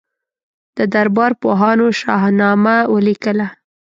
د دربار پوهانو شاهنامه ولیکله.